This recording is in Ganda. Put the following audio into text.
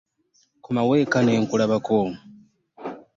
Komawo eka nenkulabako.